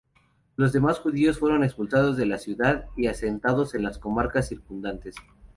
Los demás judíos fueron expulsados de la ciudad y asentados en las comarcas circundantes.